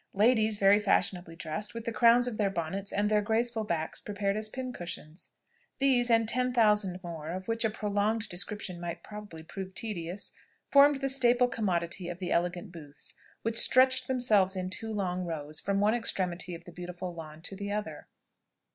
Ladies very fashionably dressed, with the crowns of their bonnets, and their graceful backs, prepared as pincushions. These, and ten thousand more, of which a prolonged description might probably prove tedious, formed the staple commodity of the elegant booths, which stretched themselves in two long rows from one extremity of the beautiful lawn to the other.